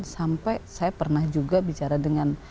sampai saya pernah juga bicara dengan